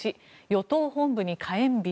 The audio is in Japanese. １与党本部に火炎瓶。